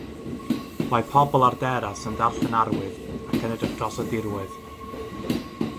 Mae pobl ar deras yn darllen arwydd ac yn edrych dros y dirwedd